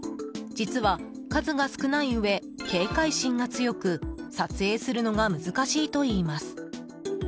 実は数が少ないうえ警戒心が強く撮影するのが難しいといいます。